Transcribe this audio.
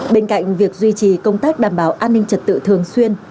bên cạnh việc duy trì công tác đảm bảo an ninh trật tự thường xuyên